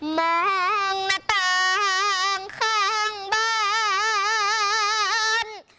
มองหน้าต่างข้างบ้าน